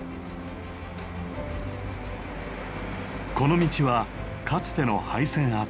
この道はかつての廃線跡。